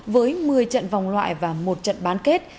với một mươi trận vòng loại và một trận bán kết